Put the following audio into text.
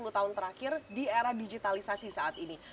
sepuluh tahun terakhir di era digitalisasi saat ini